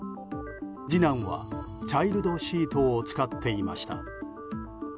次男はチャイルドシートを使っていました。